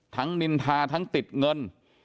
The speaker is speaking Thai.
นินทาทั้งติดเงิน